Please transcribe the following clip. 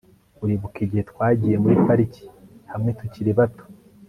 uribuka igihe twagiye muri pariki hamwe tukiri bato